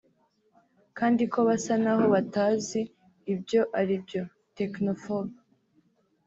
kandi ko basa n’aho batazi ibyo ari byo (technophobe)